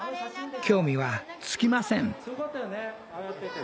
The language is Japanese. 興味は尽きません。